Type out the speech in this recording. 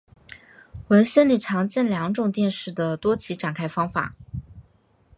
文献里常见到两种电势的多极展开方法。